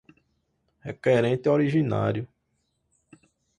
requerente originário.